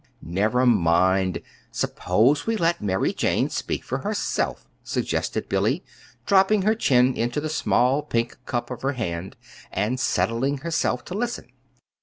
"Never mind! Suppose we let Mary Jane speak for herself," suggested Billy, dropping her chin into the small pink cup of her hand, and settling herself to listen.